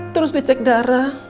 terus dicek darah